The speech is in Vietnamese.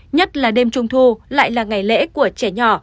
nhất là đêm trung thu lại là ngày lễ của trẻ nhỏ